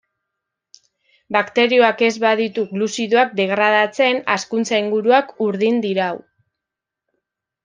Bakterioak ez baditu gluzidoak degradatzen hazkuntza- inguruak urdin dirau.